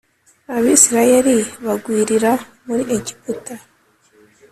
Abisirayeli bagwirira muri Egiputa